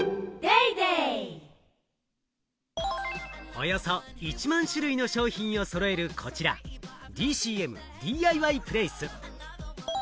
およそ１万種類の商品を揃える、こちらＤＣＭＤＩＹｐｌａｃｅ。